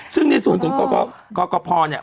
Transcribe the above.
ซึ่งในส่วนของกรกภเนี่ย